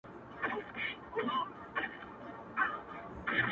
بل څوک خو بې خوښ سوی نه وي.